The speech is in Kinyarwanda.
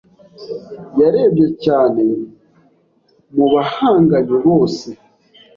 Yarebye cyane mubahanganye bose.